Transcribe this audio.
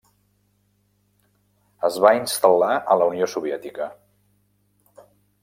Es va instal·lar a la Unió Soviètica.